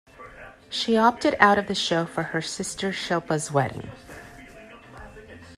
She opted out of the show for her sister Shilpa's wedding.